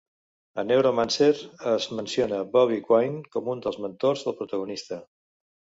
A "Neuromancer" es menciona Bobby Quine com un dels mentors del protagonista.